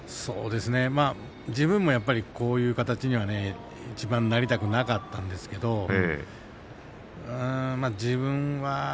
自分もやっぱりこういう形にはいちばんなりたくなかったんですけど自分は。